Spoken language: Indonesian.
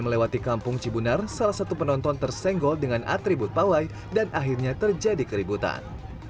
melewati kampung cibunar salah satu penonton tersenggol dengan atribut pawai dan akhirnya terjadi keributan